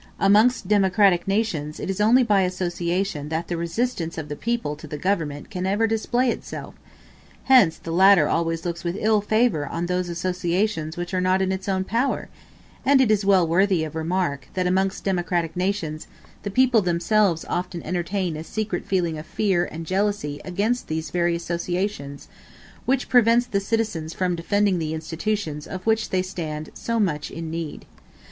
Amongst democratic nations it is only by association that the resistance of the people to the government can ever display itself: hence the latter always looks with ill favor on those associations which are not in its own power; and it is well worthy of remark, that amongst democratic nations, the people themselves often entertain a secret feeling of fear and jealousy against these very associations, which prevents the citizens from defending the institutions of which they stand so much in need.